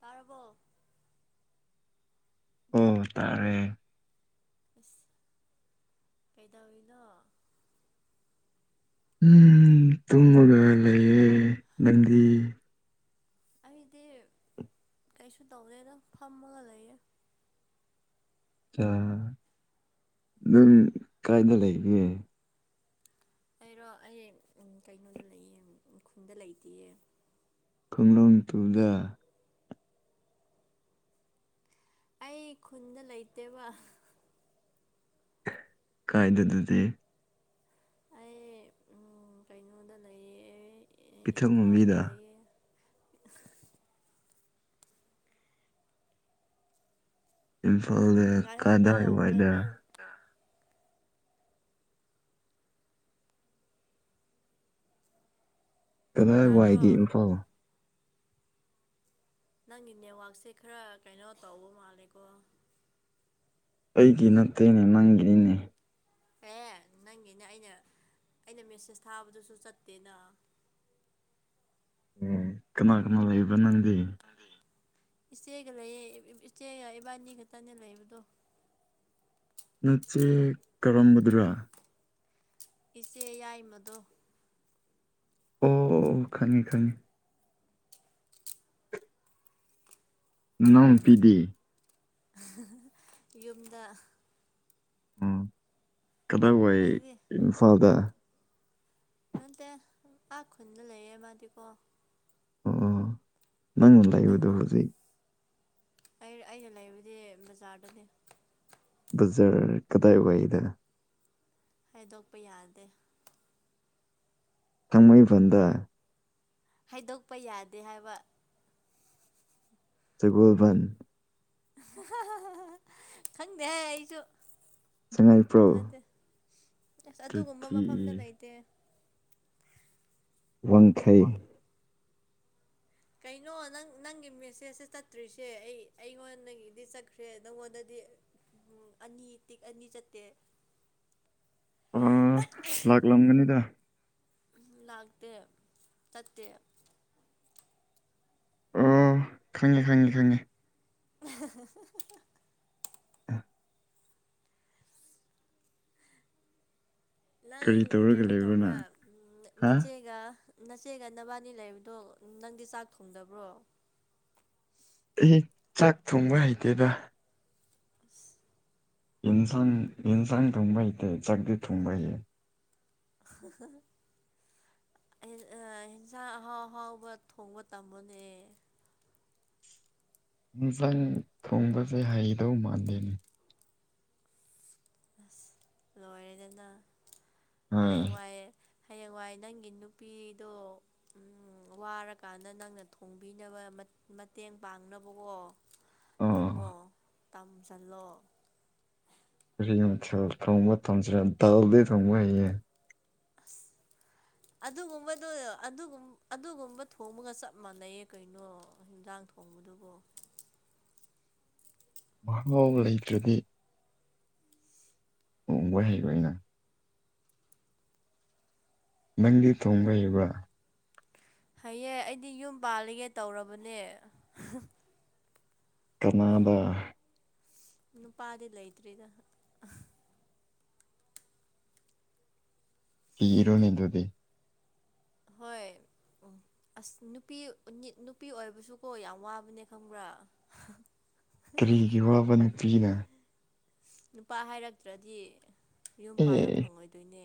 ꯄꯔꯕꯣ ꯑꯣ ꯇꯥꯔꯦ ꯑꯁ ꯀꯩ ꯇꯧꯅꯣ ꯎꯝ ꯇꯨꯡꯃꯒ ꯂꯩꯑꯦ ꯅꯗꯤ ꯑꯩꯗꯤ ꯀꯩꯁꯨ ꯇꯧꯗꯦ ꯅꯪ ꯐꯝꯃꯒ ꯂꯩꯌꯦ ꯑ ꯑꯗꯨꯝ ꯀꯥꯏꯗ ꯂꯩꯒ ꯑꯩꯔꯣ ꯑꯩ ꯀꯩꯅꯣꯗ ꯂꯩꯌꯦ ꯈꯨꯟꯗ ꯂꯩꯇꯦꯌꯦ ꯀꯥꯡꯂꯨꯞ ꯇꯨꯗ ꯑꯩ ꯈꯨꯟꯗ ꯂꯩꯇꯦꯕ ꯀꯥꯏꯗꯗꯗꯤ ꯑꯩ ꯀꯩꯅꯣꯗ ꯂꯩꯌꯦ ꯏꯝꯐꯥꯜꯗ ꯄꯤꯊꯛꯃꯕꯤꯗ ꯂꯩꯌꯦ ꯏꯝꯐꯥꯜꯗ ꯉꯥꯏꯍꯧꯀꯣ ꯀꯗꯥꯏ ꯉ ꯋꯥꯏꯗꯔ ꯅꯪ ꯀꯗꯥꯏ ꯇꯥꯕ꯭ꯔꯣ ꯋꯥꯏꯒꯦ ꯏꯝꯐꯥꯜ ꯅꯪꯒꯤ ꯅꯦꯠꯋꯥꯛꯛꯁꯦ ꯈꯔ ꯀꯩꯅꯣ ꯇꯧꯕ ꯃꯥꯜꯂꯦꯀꯣ ꯑꯩꯒꯤ ꯅꯠꯇꯦꯅꯦ ꯅꯪꯒꯤꯅꯦ ꯑꯦ ꯅꯪꯒꯤꯅꯦ ꯑꯩꯅ ꯑꯩꯅ ꯃꯦꯁꯦꯁ ꯊꯥꯕꯗꯨꯁꯨ ꯆꯠꯇꯦꯅ ꯀꯅꯥ ꯀꯅꯥ ꯂꯩꯕ ꯅꯪꯗꯤ ꯏꯆꯦꯒ ꯂꯩꯌꯦ ꯏꯆꯦꯒ ꯏꯕꯥꯅꯤ ꯈꯛꯇꯅꯦ ꯂꯩꯕꯗꯣ ꯅꯠꯁꯦ ꯀꯔꯒꯗꯔꯣꯥ ꯏꯆꯦ ꯌꯥꯏꯃꯗꯣ ꯑꯣ ꯈꯪꯉꯦ ꯈꯪꯉꯦ ꯅꯣꯡ ꯄꯤꯗꯤ ꯌꯨꯝꯗ ꯎꯝ ꯀꯗꯥꯏ ꯋꯥꯏ ꯅꯪꯗꯤ ꯏꯝꯐꯥꯜꯗ ꯑꯇ ꯑ ꯈꯨꯟꯗ ꯂꯩꯌꯦꯦ ꯃꯥꯗꯤꯀꯣ ꯑꯣ ꯅꯪꯅ ꯂꯩꯥꯛꯕꯗꯣ ꯅꯪꯗꯤ ꯍꯧꯖꯤꯛ ꯑꯩ ꯑꯩꯅ ꯂꯩꯕꯗꯤ ꯕꯖꯥꯔꯗꯅꯦ ꯖꯔ ꯀꯗꯥꯏ ꯑꯣꯏꯍꯤꯗ ꯍꯥꯏꯗꯣꯛꯄ ꯌꯥꯗꯦ ꯀꯃꯩꯕꯗ ꯍꯥꯏꯩꯗꯣꯛꯄ ꯌꯥꯗꯦ ꯍꯥꯏꯕ ꯒꯣꯜꯚꯟ ꯈꯪꯗꯦ ꯑꯩꯁꯨ ꯁꯉꯥꯏꯄ꯭ꯔꯧ ꯅꯠꯇꯦ ꯑꯁ ꯑꯗꯨꯒꯨꯝꯕ ꯑꯗꯨꯗꯤ ꯃꯐꯝꯗ ꯂꯩꯇꯦ ꯋꯥꯡꯈꯩ ꯀꯩꯅꯣ ꯅꯪ ꯅꯪꯒꯤ ꯃꯦꯁꯦꯁꯁꯦ ꯆꯠꯇ꯭ꯔꯤꯁꯦ ꯑꯩ ꯑꯩꯉꯣꯟꯗꯒꯤꯗꯤ ꯆꯠꯈ꯭ꯔꯦ ꯅꯪꯉꯣꯟꯗꯗꯤ [inaudible] ꯎꯝ ꯑꯅꯤ ꯇꯤ ꯑꯅꯤ ꯆꯠꯇꯦ ꯑꯥ ꯂꯥꯛꯂꯝꯒꯅꯤꯗ ꯂꯥꯛꯇ ꯇꯠꯇꯦ ꯑꯣ ꯈꯪꯉꯦ ꯈꯪꯉꯦ ꯈꯪꯉꯦ [inaudible] ꯅꯪ ꯀꯔꯤ ꯇꯧꯔꯒ ꯀꯩꯅꯣ ꯂꯩꯕ꯭ꯔꯣ ꯇꯧꯕ꯭ꯔꯥ ꯅꯪ ꯍꯥ ꯅꯆꯦꯒ ꯅꯆꯦꯒ ꯅꯕꯥꯅꯤ ꯂꯩꯕꯗꯣ ꯅꯪꯗꯤ ꯆꯥꯛ ꯊꯣꯡꯗꯕ꯭ꯔꯣ ꯑꯩ ꯆꯥꯛ ꯊꯣꯡꯕ ꯍꯩꯇꯦꯗ ꯏꯟꯁꯥꯡ ꯏꯟꯁꯥꯡ ꯊꯣꯡꯕꯩꯇꯦ ꯆꯖꯒꯗꯤ ꯊꯣꯡꯨꯝꯕꯩꯦ ꯍ ꯏꯟꯁꯥꯡ ꯑꯍꯥꯎ ꯑꯍꯥꯎꯕ ꯊꯣꯡꯕ ꯇꯝꯕꯅꯦ ꯍꯟꯁꯥꯡ ꯊꯣꯡꯕꯁꯦ ꯍꯩꯗꯧ ꯃꯥꯥꯟꯂꯦꯅꯤ ꯑꯁ ꯂꯣꯏꯔꯦꯗꯅ ꯍꯣꯏ ꯍꯦꯛꯋꯥꯏꯑꯦ ꯍꯌꯦꯡꯋꯥꯏ ꯅꯪꯒꯤ ꯅꯨꯄꯤꯗꯣ ꯋꯥꯔꯀꯥꯟꯗ ꯅꯪꯅ ꯊꯣꯡꯕꯤꯅꯕ ꯃꯇꯦꯡ ꯄꯥꯡꯅꯕꯀꯣ ꯑꯣ ꯇꯥꯝꯃꯣ ꯇꯝꯁꯤꯜꯂꯣ ꯐ ꯀꯥꯎ ꯊꯁꯤꯔ ꯇꯗ ꯊꯣꯡꯃ ꯍꯦ ꯑꯁ ꯑꯗꯨꯒꯨꯝꯕꯗꯣ ꯑꯗꯨꯒꯨꯝꯕ ꯊꯣꯡꯕꯒ ꯆꯞ ꯃꯥꯟꯅꯩ ꯀꯩꯅꯣ ꯍꯤꯟꯥꯛ ꯑꯪ ꯊꯣꯡꯉꯨꯗꯕꯣ [inaudible] [unintelligible] ꯃꯍꯥꯎꯒ ꯀꯗꯤ ꯑꯣ ꯋꯥꯣꯏ ꯍꯩꯔꯣ ꯑꯩꯅ ꯅꯪꯗꯤ ꯊꯣꯡꯕꯔꯤꯕ꯭ꯔ ꯍꯑꯦ ꯑꯩꯗꯤ ꯌꯨꯝ ꯄꯥꯜꯂꯤꯒꯦ ꯇꯧꯔꯕꯅꯦ ꯀꯅꯥꯗꯥ ꯅꯨꯄꯥꯗꯤ ꯂꯩꯇ꯭ꯔꯤꯗ ꯀꯤ ꯏꯔꯣ ꯅꯗꯗꯤ ꯍꯣꯏ [inaudible] ꯎꯝ [unintelligible] ꯑꯁ ꯅꯨꯄꯤ ꯅꯨꯄꯤ ꯑꯣꯏꯕꯁꯨꯀꯣ ꯌꯥꯝ ꯋꯥꯕꯅꯦ ꯈꯪꯕ꯭ꯔꯥ ꯀꯔꯤꯒꯤ ꯋꯥꯕꯅꯄꯤꯅ ꯅꯨꯄꯥ ꯍꯥꯏꯔꯛꯇ꯭ꯔꯗꯤ ꯌꯨꯝ ꯄꯥꯟꯅ ꯐꯪꯉꯣꯏꯗꯣꯏꯅꯦ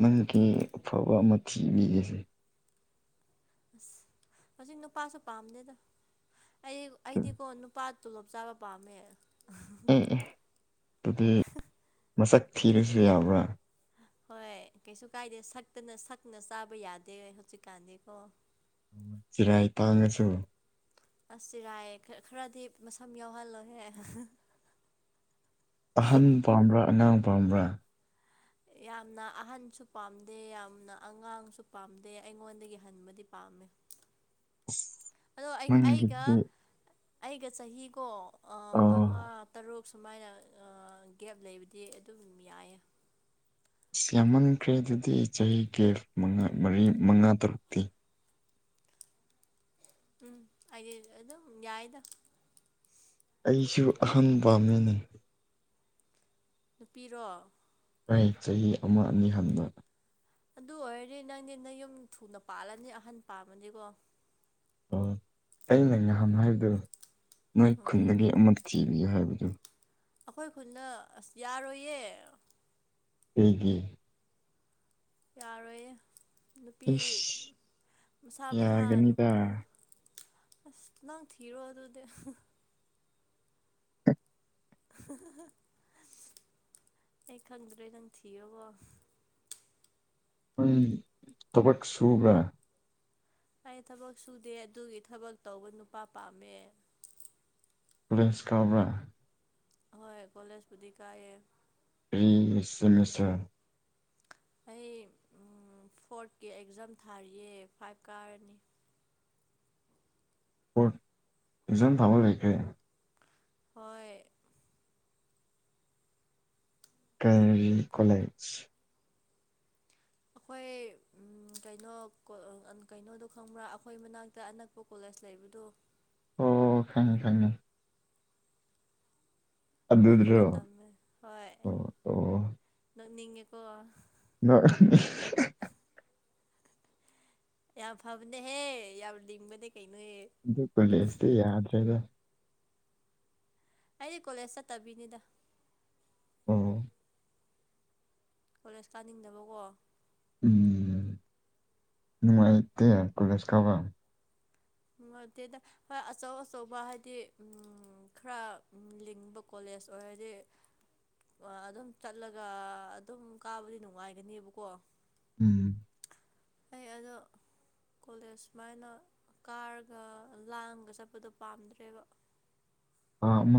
ꯃꯗꯨꯀꯤ ꯑꯐꯕ ꯑꯃ ꯊꯤꯕꯤꯒꯁꯦ ꯑꯁ ꯍꯧꯖꯤꯛ ꯅꯨꯄꯥꯁꯨ ꯄꯥꯝꯗꯦꯗ ꯑꯩ ꯑꯦ ꯑꯩꯗꯤꯀꯣ ꯅꯨꯄꯥ ꯇꯣꯂꯣꯞ ꯆꯥꯕ ꯄꯥꯝꯃꯦ ꯎꯝ ꯎꯝ ꯑꯗꯨꯗꯤ ꯃꯁꯛ ꯊꯤꯔꯁꯨ ꯌꯥꯕ꯭ꯔꯥ ꯍꯣꯏ ꯀꯩꯁꯨ ꯀꯥꯏꯗꯦ ꯁꯛꯇꯅ ꯁꯛꯅ ꯆꯥꯕ ꯌꯥꯗꯦ ꯍꯧꯖꯤꯛꯀꯥꯟꯗꯤꯀꯣ ꯆꯤꯔꯥꯏ ꯇꯥꯡꯉꯁꯨ ꯑꯁ ꯆꯤꯔꯥꯏ ꯈꯔꯗꯤ ꯃꯁꯝ ꯌꯥꯎꯍꯜꯂꯣꯍꯦ ꯑꯍꯟ ꯄꯥꯝꯕ꯭ꯔꯥ ꯑꯉꯥꯡ ꯄꯥꯝꯕ꯭ꯔꯥ ꯌꯥꯝꯅ ꯑꯍꯟꯁꯨ ꯄꯥꯝꯗꯦ ꯌꯥꯝꯅ ꯑꯉꯥꯡꯁꯨ ꯄꯥꯝꯗꯦ ꯑꯩꯉꯣꯟꯗꯒꯤ ꯍꯟꯕꯗꯤ ꯄꯥꯝꯃꯦ ꯑꯗꯣ ꯑꯩ ꯑꯩꯒ ꯅꯪꯒꯗꯦ ꯑꯩꯒ ꯆꯍꯤꯒꯣ ꯑꯥ ꯁꯨꯃꯥꯏꯅ ꯒꯦꯞ ꯂꯩꯕꯗꯤ ꯑꯗꯨꯝ ꯌꯥꯏꯌꯦ ꯌꯥꯝꯃꯟꯈ꯭ꯔꯦ ꯑꯗꯨꯗꯤ ꯆꯍꯤ ꯒꯤꯐ ꯃꯉꯥ ꯃꯔꯤ ꯃꯉꯥ ꯇꯔꯨꯛꯇꯤ ꯎꯝ ꯍꯥꯏꯦ ꯑꯗꯨ ꯌꯥꯏꯗ ꯑꯩꯁꯨ ꯑꯍꯟ ꯄꯥꯝ ꯃꯤꯅꯤꯅꯤ ꯅꯨꯄꯤꯔꯣ ꯑꯩ ꯆꯍꯤ ꯑꯃ ꯑꯅꯤ ꯍꯟꯕ ꯑꯗꯨ ꯑꯣꯏꯔꯗꯤ ꯅꯪꯗꯤ ꯅꯪ ꯌꯨꯝ ꯊꯨꯅ ꯄꯥꯜꯂꯅꯤ ꯑꯍꯟ ꯄꯥꯝꯃꯅꯤꯀꯣ ꯑꯣ ꯑꯩꯅ ꯉꯍꯥꯟ ꯍꯥꯏꯕꯗꯣ ꯅꯣꯏ ꯎꯝ ꯈꯨꯟꯗꯒꯤ ꯑꯃ ꯊꯤꯔꯤꯌꯨ ꯍꯥꯏꯕꯗꯨ ꯑꯩꯈꯣꯏ ꯈꯨꯅ ꯑꯁ ꯌꯥꯔꯣꯏꯌꯦ ꯑꯩꯒꯤ ꯌꯥꯔꯣꯏꯌꯦ ꯅꯨꯄꯤ ꯏꯁ ꯃꯁꯥ ꯃꯁꯥ ꯑꯁ ꯌꯥꯒꯅꯤꯗ ꯅꯪ ꯊꯤꯔꯣ ꯑꯗꯨꯗꯤ [inaudible] [unintelligible] ꯑꯩ ꯈꯪꯗ꯭ꯔꯦ ꯅꯪ ꯊꯤꯑꯣꯀꯣ ꯊꯕꯛ ꯁꯨꯕꯥ ꯑꯩ ꯊꯕꯛ ꯁꯨꯗꯦ ꯑꯗꯨꯒꯤ ꯊꯕꯛ ꯇꯧꯕ ꯅꯨꯄꯥ ꯄꯥꯝꯃꯦ ꯐ꯭ꯔꯦꯟ [unintelligible] ꯁ ꯀ ꯑꯃꯥ ꯍꯣꯏ ꯀꯣꯂꯦꯖꯕꯨꯗꯤ ꯀꯥꯑꯦ ꯐꯁ [unintelligible] ꯑꯩ ꯐꯣꯔꯠꯀꯤ ꯑꯦꯛꯖꯥꯝ ꯊꯥꯔꯤꯌꯦ ꯐꯥꯏꯚ ꯀꯥꯔꯅꯤ ꯀ ꯏꯖ ꯊꯃꯔ ꯂꯩꯦꯈꯦ ꯍꯣꯏ ꯀ꯭ꯔꯥꯏꯃꯔꯤ ꯀꯂꯦꯖ ꯑꯩꯈꯣꯏ ꯎ ꯀꯩꯅꯣ ꯀꯩꯅꯣꯗꯣ ꯈꯪꯕ꯭ꯔꯥ ꯑꯩꯈꯣꯏ ꯃꯅꯥꯛꯇ ꯑꯅꯛꯄ ꯀꯣꯂꯦꯖ ꯁ ꯂꯩꯕꯗꯣ ꯑꯣ ꯈꯪꯉꯤ ꯈꯪꯉꯤ ꯑꯗꯨꯗ ꯑꯗꯨꯗꯨꯔꯣ ꯇꯝꯃꯦ ꯍꯣꯏ ꯑꯣ ꯅꯣꯛꯅꯤꯡꯉꯦꯀꯣ ꯅ ꯌꯥ ꯐꯕꯅꯦ ꯍꯦ ꯌꯥ ꯌꯥꯝ ꯂꯤꯝꯕꯅꯦ ꯑꯗꯨꯗꯨ ꯀꯦꯁꯦ ꯌꯥꯗ꯭ꯔꯦꯗ ꯑꯩꯗꯤ ꯀꯣꯂꯦꯖ ꯆꯠꯇꯕꯤꯅꯤꯗ ꯑ ꯀꯣꯂꯦꯖ ꯇꯥꯅꯤꯡꯗꯕꯀꯣ ꯎꯝ ꯅꯨꯡꯉꯥꯏꯇꯦ ꯀꯣꯂꯦꯖꯀꯕ ꯦꯗ ꯍꯣꯏ ꯑꯆꯧ ꯑꯆꯧꯕ ꯍꯥꯏꯗꯤ ꯎ ꯈꯔ ꯂꯤꯡꯕ ꯀꯣꯂ ꯁ ꯑꯣꯏꯗꯤ ꯑꯗꯨꯝ ꯆꯠꯂꯒ ꯑꯗꯨꯝ ꯀꯥꯕꯨꯗꯤ ꯅꯨꯡꯉꯥꯏꯒꯅꯦꯕꯀꯣ ꯎꯝ ꯑꯩ ꯑꯗꯣ ꯀꯣꯂꯦꯖ ꯁꯨꯃꯥꯏꯅ ꯀꯥꯔꯒ ꯂꯥꯡꯒ ꯆꯠꯄꯗꯣ ꯄꯥꯝꯗ꯭ꯔꯦꯕ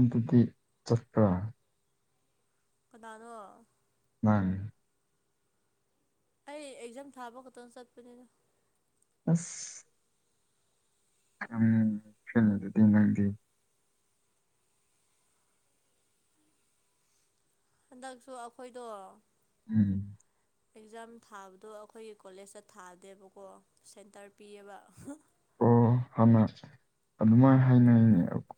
ꯗꯨꯗꯤ ꯆꯠꯄ꯭ꯔꯥ ꯀꯈꯗꯥꯅꯣ ꯃꯥ ꯑꯩ ꯑꯦꯛꯖꯥꯝ ꯊꯥꯕ ꯈꯛꯇꯪ ꯆꯠꯄꯅꯤꯅ ꯑꯁ ꯎ ꯐꯗ ꯇꯤꯟ ꯂꯗꯤ ꯍꯟꯗꯛꯁꯨ ꯑꯩꯈꯣꯏꯗꯣ ꯎꯝ ꯑꯦꯛꯖꯥꯝ ꯊꯥꯕꯗꯣ ꯑꯩꯈꯣꯏꯒꯤ ꯀꯣꯂꯦꯖꯇ ꯊꯥꯗꯦꯕꯀꯣ ꯁꯦꯟꯇꯔ ꯄꯤꯌꯦꯕ ꯑꯣ ꯍꯥꯟꯅ ꯑꯗꯨꯃꯥꯏꯅ ꯍꯥꯏꯅꯅꯤꯡꯉꯀꯣ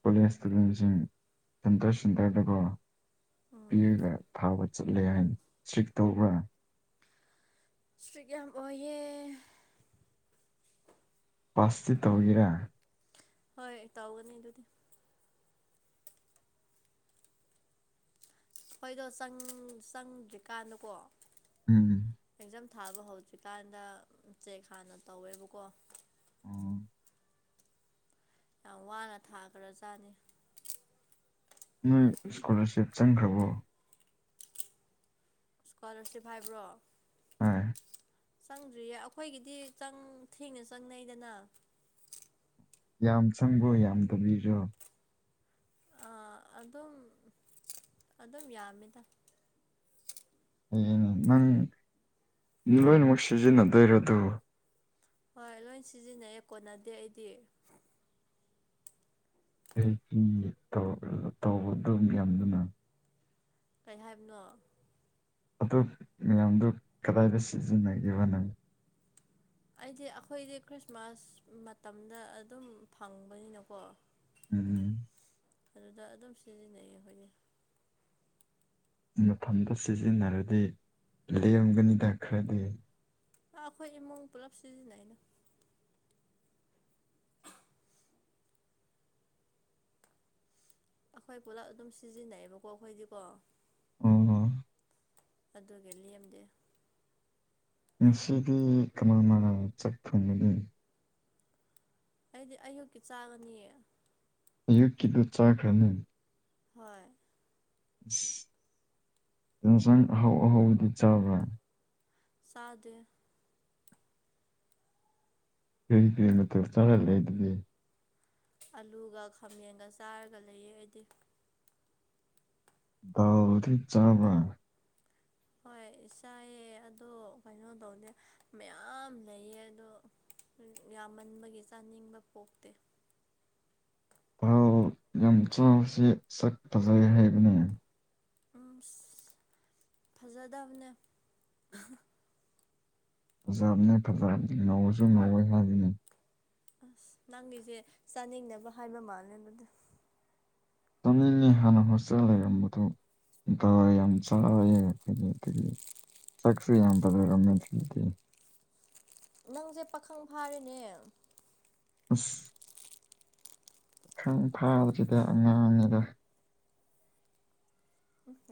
ꯀꯂꯤꯁꯁꯤꯡ ꯁꯇꯣꯁ ꯆ ꯇꯔꯗꯀꯣ ꯎꯝ ꯄꯤꯔꯒ ꯊꯥꯕ ꯆꯠꯂꯦ ꯍꯥꯏꯅ ꯁ꯭ꯔꯤꯛ ꯇꯧꯕ꯭ꯔꯥ ꯁꯔꯤꯛ ꯌꯥꯝ ꯑꯣꯏꯌꯦꯦ ꯄꯥꯁꯇꯤ ꯇꯧꯈꯤꯔꯦ ꯍꯣꯏ ꯇꯧꯒꯅꯤ ꯑꯗꯨꯗꯤ ꯍꯣꯏꯗꯣ ꯆꯪꯗ꯭ꯔꯤꯀꯥꯟꯗꯀꯣ ꯎꯝ ꯑꯦꯛꯖꯥꯝ ꯊꯥꯕ ꯍꯧꯗ꯭ꯔꯤꯀꯥꯟꯗ ꯆꯦꯛ ꯍꯥꯟꯅ ꯇꯧꯋꯦꯕꯀꯣ ꯑꯣ ꯌꯥꯝ ꯋꯥꯅ ꯊꯥꯈ꯭ꯔꯖꯥꯠꯅꯤ ꯅꯣꯏ ꯏꯁꯀꯣꯂꯥꯔꯁꯤꯞ ꯆꯪꯈ꯭ꯔꯕꯣ ꯏꯁꯀꯣꯂꯔꯁꯤꯞ ꯍꯥꯏꯕ꯭ꯔꯣ ꯍꯥꯏ ꯆꯪꯗ꯭ꯔꯤꯌꯦ ꯑꯩꯈꯣꯏꯒꯤꯗꯤ ꯊꯦꯡꯅ ꯆꯪꯅꯩꯗꯅ ꯌꯥꯝ ꯆꯪꯕꯣ ꯌꯥꯝ ꯇꯕꯤꯔꯣ ꯑ ꯑꯗꯨꯝ ꯑꯗꯨꯝ ꯌꯥꯝꯃꯤꯗ ꯍꯌꯦꯅꯦ ꯅꯪ ꯂꯣꯏꯅꯃꯛ ꯁꯤꯖꯤꯟꯅꯗꯣꯏꯔꯣ ꯑꯗꯨ ꯍꯣꯏ ꯂꯣꯏ ꯁꯤꯖꯤꯟꯅꯩ ꯀꯣꯟꯅꯗꯦ ꯑꯩꯗꯤ ꯑꯩꯒꯤ ꯇꯧꯕꯗꯨ ꯌꯥꯝꯗꯨꯅ ꯀꯔꯤ ꯍꯥꯏꯕꯅꯣ ꯑꯗꯨ ꯃꯌꯥꯝꯗꯨ ꯀꯗꯥꯏꯗ ꯁꯤꯖꯤꯟꯅꯒꯦꯕꯅꯃꯤ ꯑꯩꯗꯤ ꯑꯩꯈꯣꯏꯗꯤ ꯈ꯭ꯔꯤꯁꯃꯥꯁ ꯃꯇꯝꯗ ꯑꯗꯨꯝ ꯐꯪꯕꯅꯤꯅꯀꯣ ꯎꯝ ꯑꯗꯨꯗ ꯑꯗꯨꯝ ꯁꯤꯖꯤꯟꯅꯩꯌꯦ ꯑꯩꯈꯣꯏꯒꯤ ꯃꯊꯗ ꯁꯤꯖꯤꯟꯅꯔꯗꯤ ꯂꯦꯝꯒꯅꯤꯗ ꯈ꯭ꯔꯗꯤ ꯑ ꯑꯩꯈꯣꯏ ꯏꯃꯨꯡ ꯄꯨꯜꯂꯞ ꯁꯤꯖꯤꯟꯅꯩꯩꯅ ꯑꯩꯈꯣꯏ ꯄꯨꯂꯞ ꯑꯗꯨꯝ ꯁꯤꯖꯤꯟꯅꯩꯕꯀꯣ ꯑꯩꯈꯣꯏꯗꯤꯀꯣ ꯑꯣ ꯑꯗꯨꯒ ꯂꯦꯝꯗꯦ ꯉꯁꯤꯗꯤ ꯀꯅꯥꯅ ꯆꯠꯈꯣꯕꯅꯤ ꯑꯩꯗꯤ ꯑꯌꯨꯛꯀꯤ ꯆꯥꯕꯅꯤꯌꯦ ꯑꯩ ꯀꯤꯂꯣ ꯆꯥꯈ꯭ꯔꯅꯤ ꯍꯣꯏ ꯑꯁ ꯌꯦꯟꯁꯥꯡ ꯑꯍꯥꯎ ꯑꯍꯥꯎꯧꯕꯗꯤ ꯆꯥꯕ꯭ꯔꯥ ꯁꯥꯗꯦ ꯐꯔꯤ ꯐ ꯃ ꯆꯔꯂ ꯏꯕꯤ ꯑꯂꯨꯒ ꯈꯥꯃꯦꯟꯒ ꯆꯥꯔꯒ ꯂꯩꯌꯦ ꯑꯩꯗꯤ ꯗꯥꯎꯔꯤ ꯆꯥꯃꯥꯟ ꯍꯣꯏꯥꯏꯌꯦ ꯑꯗꯣ ꯀꯩꯅꯣ ꯇꯧꯅꯦꯦ ꯃꯌꯥꯝ ꯂꯩꯌꯦ ꯑꯗꯣ ꯌꯥꯝꯃꯟꯕꯒꯤ ꯆꯥꯅꯤꯡꯕ ꯄꯣꯛꯇꯦ ꯊꯥꯎ ꯌꯥꯝ ꯆꯥꯎꯁꯦ ꯁꯛ ꯐꯖꯩ ꯍꯥꯏꯕꯅꯦ ꯎꯝ ꯐꯖꯗꯕꯅꯦ ꯐꯖꯕꯅꯦ ꯐꯖꯕꯅꯦ ꯉꯧꯔꯁꯨ ꯉꯧꯋꯦ ꯍꯥꯏꯔꯤꯅꯤ ꯑꯁ ꯅꯪꯒꯤꯁꯦ ꯆꯥꯅꯤꯡꯅꯕ ꯍꯥꯏꯕ ꯃꯥꯜꯂꯦ ꯑꯗꯨꯗ ꯆꯝꯅꯤꯡꯉꯤ ꯍꯥꯟꯅ ꯍꯣꯁꯇꯦꯜ ꯂꯩꯔꯝꯕꯗꯨ ꯀ ꯌꯥꯝ ꯆ ꯁꯈꯁꯤ ꯌꯥꯝꯗꯔ ꯑꯃꯤ ꯊꯗꯤ ꯅꯪꯁꯦ ꯄꯥꯈꯪ ꯐꯥꯔꯦꯅꯦ ꯑꯁ ꯄꯈꯪ ꯊꯥꯗꯕꯁꯤꯗ ꯑꯉꯥꯡꯅꯤꯗ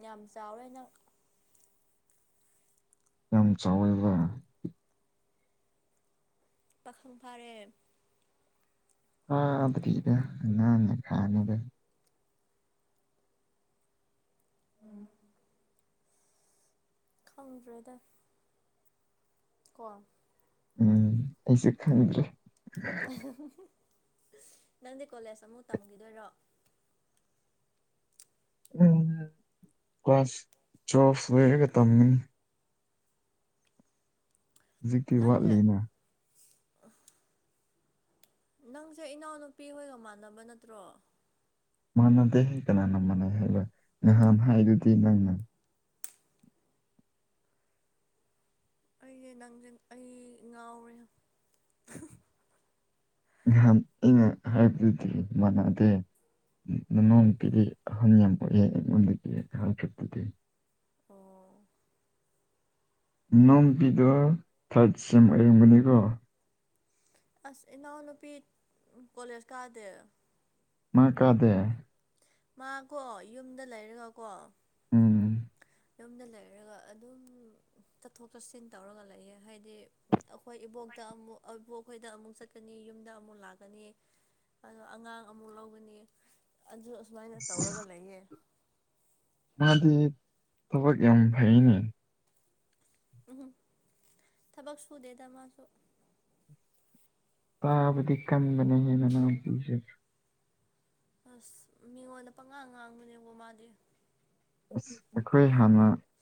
ꯌꯥꯝ ꯆꯥꯎꯔꯦꯅ ꯌꯥꯝ ꯆꯥꯎꯋꯥꯏꯦ ꯄꯥꯈꯪ ꯐꯥꯔꯦ ꯍꯥꯥꯕꯇꯖꯦ ꯈꯥꯅꯗ ꯎꯝ ꯈꯪꯗ꯭ꯔꯦꯗ ꯀ ꯎꯝ ꯑꯩꯁꯨꯦ ꯈꯪꯗ꯭ꯔꯦ ꯅꯪꯗꯤ ꯀꯣꯂꯦꯖ ꯑꯃꯨꯛ ꯇꯝꯈꯤꯗꯣꯏꯔꯣ ꯎꯝ ꯀꯥꯁ ꯆꯣꯁꯨ ꯂꯩꯒ ꯇꯝꯅꯤ ꯍꯧꯖꯤꯛꯀꯤ ꯅꯪꯁꯦ ꯋꯥꯠꯂꯤꯅ ꯅꯪꯁꯦ ꯏꯅꯥꯎꯅꯨꯄꯤ ꯍꯣꯏꯒ ꯃꯥꯟꯅꯕ ꯅꯠꯇ꯭ꯔꯣ ꯃꯥꯟꯅꯗꯦ ꯀꯅꯥꯅ ꯃꯥꯟꯅꯩ ꯍꯥꯏꯕ ꯅꯍꯥꯟ ꯍꯥꯏꯗꯨꯗꯤ ꯅꯪꯅ ꯑꯩꯁꯦ ꯅꯪ ꯑꯩ ꯉꯥꯎꯔꯦ ꯅꯍꯥꯟ ꯑꯩꯅ ꯍꯥꯏꯕꯗꯨꯗꯤ ꯃꯥꯟꯅꯗꯦ ꯅꯣꯡꯃꯀꯤꯗꯤ ꯑꯍꯪ ꯌꯥꯝ ꯄꯣꯛꯑꯦ ꯑꯩꯉꯣꯟꯗꯒꯤ ꯍꯥꯏꯜꯐꯠꯇꯗꯤ ꯑꯣ ꯅꯝꯕꯤꯗꯣ ꯊꯥꯏꯠꯁꯤꯝ ꯑꯌꯨꯨꯝꯕꯅꯤꯀꯣ ꯑꯁ ꯏꯅꯥꯎꯅꯄꯤ ꯀꯣꯂꯖ ꯀꯥꯗ ꯃꯥ ꯀꯗꯦ ꯃꯥꯀꯣ ꯌꯨꯝꯗ ꯂꯩꯔꯒꯀꯣ ꯎꯝ ꯌꯨꯝꯗ ꯂꯩꯔꯒ ꯑꯗꯨꯝ ꯆꯠꯊꯣꯛ ꯆꯠꯁꯤꯟ ꯇꯧꯔꯒ ꯂꯩꯌꯦ ꯍꯥꯏꯗꯤ ꯑꯩꯈꯣꯏ ꯏꯕꯣꯛ ꯑꯃꯨ ꯑꯃꯨꯛ ꯑꯩꯕ ꯑꯩꯈꯣꯏꯗ ꯑꯃꯨꯛ ꯆꯠꯀꯅꯤ ꯌꯨꯝꯗ ꯑꯃꯨꯛ ꯂꯥꯛꯀꯅꯤ ꯑꯗꯣ ꯑꯉꯥꯡ ꯑꯃꯨꯛ ꯂꯒꯅꯤ ꯑꯗꯨ ꯑꯁꯨꯃꯥꯏꯅ ꯇꯧꯔꯒ ꯂꯩꯌꯦ ꯃꯥꯗꯤ ꯊꯕꯛ ꯌꯥꯝ ꯐꯩꯅꯦ ꯎꯝ ꯊꯕꯛ ꯁꯨ ꯗꯦꯗ ꯃꯥꯁꯨ ꯇꯥꯕꯗꯤ ꯀꯟꯕꯅꯦꯦ ꯃꯅꯥ ꯄꯁ ꯑꯁ ꯃꯤꯉꯣꯟꯗ ꯄꯪꯉꯥ ꯉꯥꯡꯕꯅꯦꯕꯣ ꯃꯥꯗꯤ ꯑ ꯑꯩꯈꯣꯏ ꯍꯥꯟꯅ